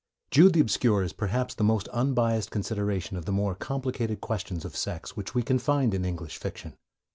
Jude the Obscure is perhaps the most unbiased consideration of the more complicated questions of sex which we can find in English fiction.